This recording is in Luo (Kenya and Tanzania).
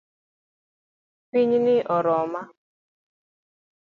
Pinyni oroma